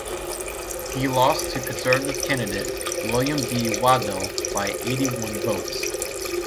He lost to Conservative candidate William B. Waddell by eighty-one votes.